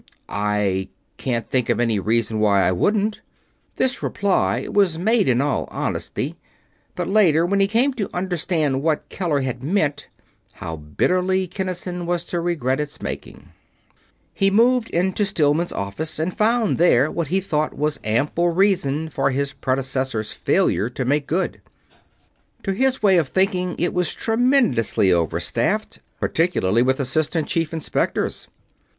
"I can't think of any reason why I wouldn't." This reply was made in all honesty; but later, when he came to understand what Keller had meant, how bitterly Kinnison was to regret its making! He moved into Stillman's office, and found there what he thought was ample reason for his predecessor's failure to make good. To his way of thinking it was tremendously over staffed, particularly with Assistant Chief Inspectors.